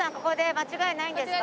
間違いないですね。